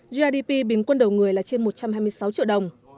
grdp bình quân đầu người là trên một trăm hai mươi sáu triệu đồng